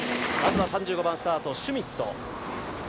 まず３５番スタートのシュミット。